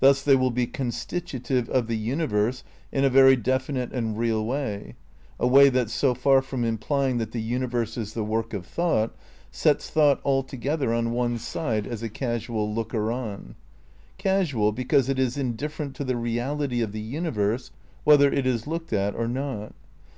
Thus they will be Refation constitutive of the universe in a very definite and real ^ j way, a way that, so far from implying that the universe edge is the work of thought, sets thought altogether on one side as a ca^al looker on. Casual because it is indif ferent to the reality of the universe whether it is looked on at or not.